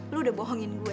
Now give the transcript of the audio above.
lo udah bohongin gue